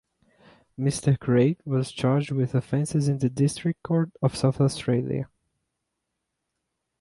Mr Craig was charged with offences in the District Court of South Australia.